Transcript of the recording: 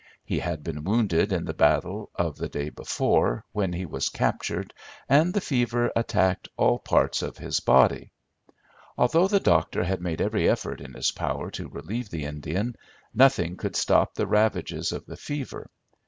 He had been wounded in the battle of the day before, when he was captured, and the fever attacked all parts of his body. Although the doctor had made every effort in his power to relieve the Indian, nothing could stop the ravages of the fever.